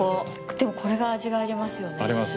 でも、これが味がありますよね。あります。